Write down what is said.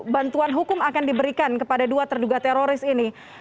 bantuan hukum akan diberikan kepada dua terduga teroris ini